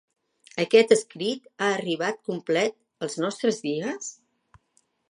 Aquest escrit ha arribat complet als nostres dies?